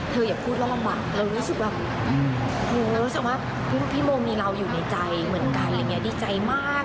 อย่าพูดว่าลำบากเรารู้สึกแบบรู้สึกว่าพี่โมมีเราอยู่ในใจเหมือนกันอะไรอย่างนี้ดีใจมาก